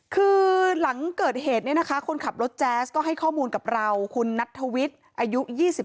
คือหลังเกิดเหตุเนี่ยนะคะคนขับรถแจ๊สก็ให้ข้อมูลกับเราคุณนัทธวิทย์อายุ๒๓